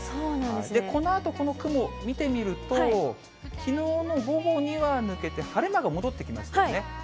このあとこの雲見てみると、きのうの午後には抜けて、晴れ間が戻ってきましたよね。